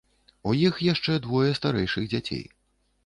У іх яшчэ двое старэйшых дзяцей.